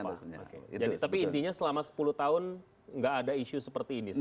tapi intinya selama sepuluh tahun nggak ada isu seperti ini